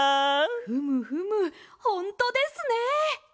ふむふむほんとですね！